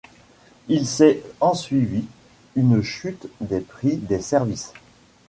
Il s'est ensuivi une chute des prix des services.